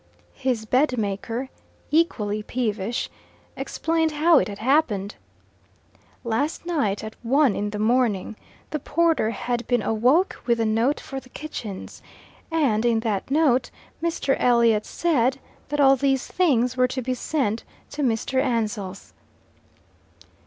His bedmaker, equally peevish, explained how it had happened. Last night, at one in the morning, the porter had been awoke with a note for the kitchens, and in that note Mr. Elliot said that all these things were to be sent to Mr. Ansell's.